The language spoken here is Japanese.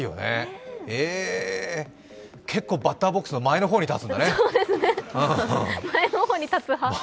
結構、バッターボックスの前の方に立つんだね。